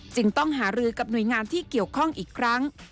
จึงต้องหารือกับหน่วยงานที่เกี่ยวข้องอีกครั้ง